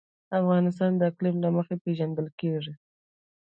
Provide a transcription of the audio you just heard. افغانستان د اقلیم له مخې پېژندل کېږي.